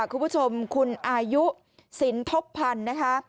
คุณผู้ชมคุณอายุสินทบพันธ์นะคะ